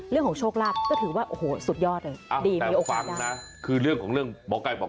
เรื่องของโชคลาฟก็ถือว่าโอ้โหสุดยอดเลย